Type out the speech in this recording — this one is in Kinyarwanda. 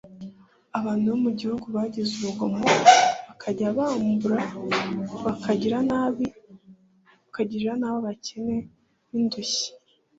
Abantu bo mu gihugu bagize urugomo bakajya bambura, bakagirira nabi abakene n’indushyi,